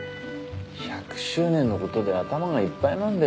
１００周年の事で頭がいっぱいなんだよ